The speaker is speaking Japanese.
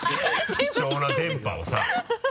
貴重な電波をさ。